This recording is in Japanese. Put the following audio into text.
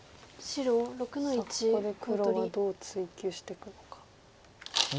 さあここで黒はどう追及していくのか。